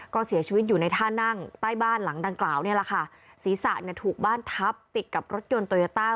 ก็เสียชีวิตอยู่ในท่านั่งใต้บ้านหลังดังกล่าวเนี่ยแหละค่ะศีรษะเนี่ยถูกบ้านทับติดกับรถยนต์โตโยต้า